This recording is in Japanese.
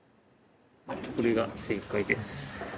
これが正解です。